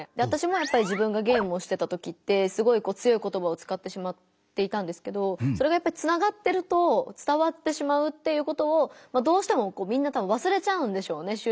わたしもやっぱり自分がゲームをしてた時ってすごいこう強い言葉をつかってしまっていたんですけどそれがやっぱりつながってると伝わってしまうっていうことをどうしてもこうみんなたぶんわすれちゃうんでしょうね